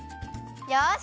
よし！